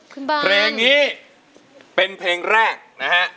คุณบ้าเพลงนี้เป็นเพลงแรกนะฮะ